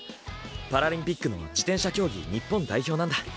パラリンピックの自転車競技日本代表なんだ。